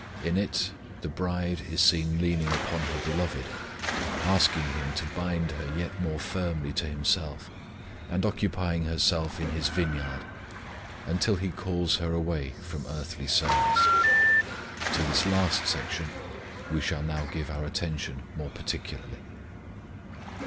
In it the bride is seen leaning upon her Beloved, asking Him to bind her yet more firmly to Himself, and occupying herself in His vineyard, until He calls her away from earthly service. To this last section we shall now give our attention more particularly.